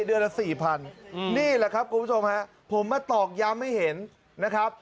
เดือนละสี่พันนี่แหละครับคุณผู้ชมฮะผมมาตอกย้ำให้เห็นนะครับ